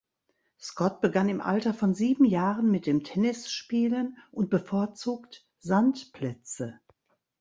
Scott begann im Alter von sieben Jahren mit dem Tennisspielen und bevorzugt Sandplätze.